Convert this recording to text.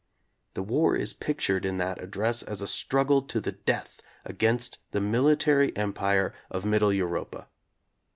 The war is pictured in that address as a struggle to the death against the military empire of Mittel Europa.